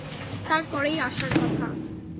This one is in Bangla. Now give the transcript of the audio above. তার পরেই আশার কথা।